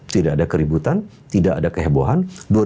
tidak ada keributan tidak ada kehebohan